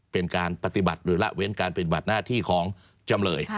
เป็นการปฏิบัติหรือละเว้นการปฏิบัติหน้าที่ของจำเลย